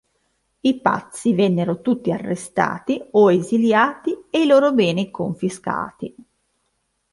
I Pazzi vennero tutti arrestati o esiliati e i loro beni confiscati.